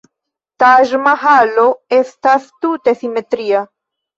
Taĝ-Mahalo estas tute simetria.